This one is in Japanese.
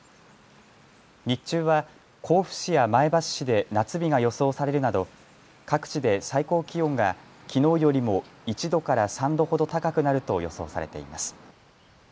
日中は甲府市や前橋市で夏日が予想されるなど各地で最高気温がきのうよりも１度から３度ほど高くなると予想されています。